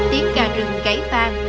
tiếng ca rừng cãi vang